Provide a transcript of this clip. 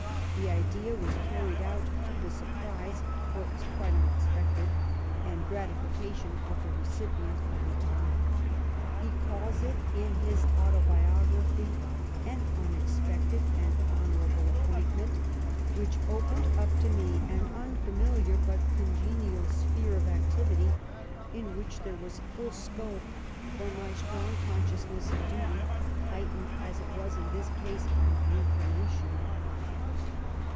The idea was carried out, to the surprise — for it was quite unexpected — and gratification of the recipient of the honour. He calls it, in his Autobiography, "an unexpected and honourable appointment, wliich opened up to me an unfamiliar but congenial sphere of activity, in which there was full scope for my strong consciousness of duty, heightened as it was in this case by my inclination."